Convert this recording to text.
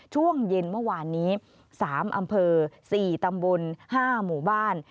ช่วงเย็นเมื่อวานนี้๓อำเภอ๔ตำบล๕หมู่บ้าน